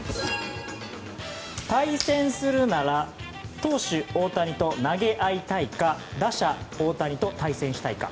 対戦するなら投手・大谷と投げ合いたいか打者・大谷と対戦したいか。